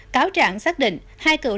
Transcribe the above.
cáo trạng xác định hai cựu lợi dụng